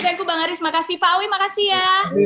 thank you bang haris makasih pak awi makasih ya